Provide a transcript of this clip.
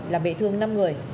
làm bị thương năm người